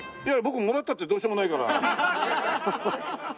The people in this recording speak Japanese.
いや僕もらったってどうしようもないから。